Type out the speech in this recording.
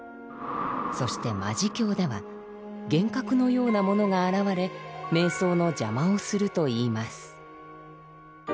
そして「魔事境」では幻覚のようなものが現れ瞑想の邪魔をするといいます。